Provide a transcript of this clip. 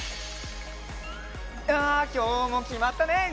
あきょうもきまったね！